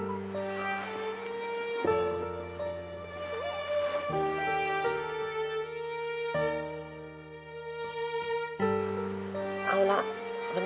เอาละวันนี้พระเวทย์